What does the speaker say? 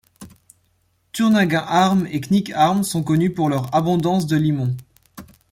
Turnagain Arm et Knik Arm sont connus pour leur abondance de limon.